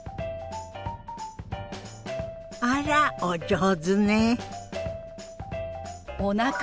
あらお上手ね。